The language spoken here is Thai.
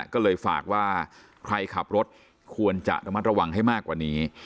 ก็เลยฝากว่าใครขับรถควรจะระมัดระวังให้มากกว่านี้